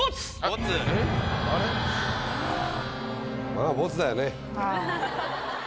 まあボツだよね。